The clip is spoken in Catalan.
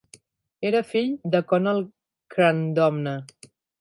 Era fill de Conall Crandomna.